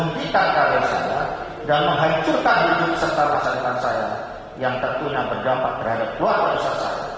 menghentikan karakter saya dan menghancurkan hidup setara sarikan saya yang tentunya berdampak terhadap keluarga saya